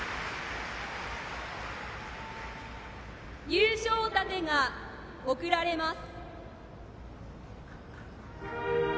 優勝盾が贈られます。